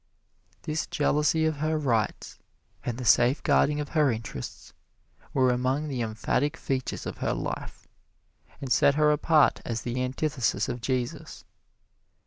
This jealousy of her rights and the safeguarding of her interests were among the emphatic features of her life, and set her apart as the antithesis of Jesus.